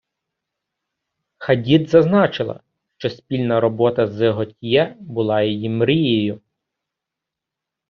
Хадід зазначила, що спільна робота з Готьє була її мрією.